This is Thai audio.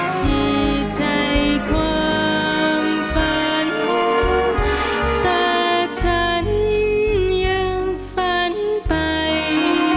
ที่ใจความฝันแต่ฉันยังฝันไป